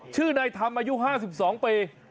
ชื่อนายธรรมอายุ๕๒ปี